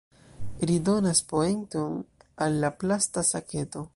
Ri donas poenton al la plasta saketo.